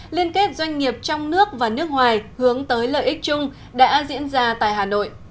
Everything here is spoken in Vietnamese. liên kết doanh nghiệp trong nước và nước ngoài hướng tới lợi ích chung đã diễn ra tại hà nội